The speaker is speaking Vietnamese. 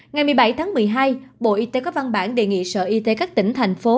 ngày một mươi bảy tháng một mươi hai bộ y tế có văn bản đề nghị sở y tế các tỉnh thành phố